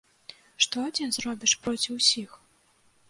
Што адзін зробіш проці ўсіх?